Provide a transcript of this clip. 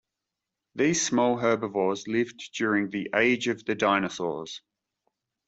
These small herbivores lived during the "age of the dinosaurs".